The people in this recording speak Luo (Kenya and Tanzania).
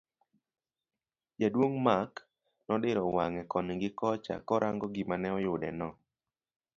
Jaduong' Mark nodiro wang'e koni gi kocha korango gima ne oyude no.